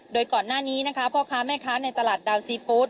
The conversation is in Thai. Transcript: โดยก่อนหน้านี้นะคะพ่อค้าแม่ค้าในตลาดดาวซีฟู้ด